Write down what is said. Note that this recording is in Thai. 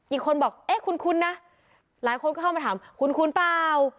อีกคนบอกเอ๊ะคุ้นนะหลายคนก็เข้ามาถามคุ้นเปล่า